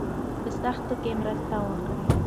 په سختۍ کې مرسته وکړئ.